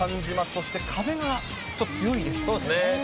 そして風がちょっと強いですね。